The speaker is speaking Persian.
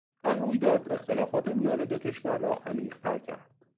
آن رویداد اختلافات میان دو کشور را عمیقتر کرد.